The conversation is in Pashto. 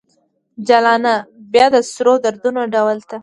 جلانه ! بیا د سرو دردونو ډول ته